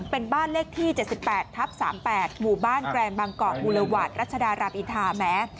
เป็นบ้านเลขที่๗๘ทับ๓๘หมู่บ้านแกรนบางเกาะบูรวาสรัชดาราอิทาแม้